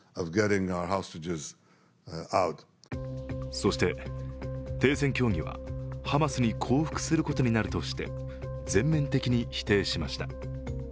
そして、停戦協議はハマスに降伏することになるとして全面的に否定しました。